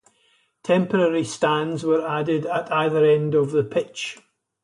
Temporary stands were added at either end of the pitch.